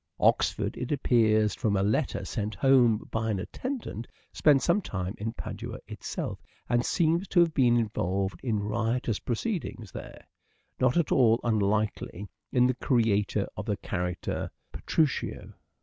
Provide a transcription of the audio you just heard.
Oxford, it appears from a letter sent home by an attendant, spent some time in Padua itself, and seems to have been involved in riotous proceedings there : not at all unlikely in the creator of the character " Petruchio."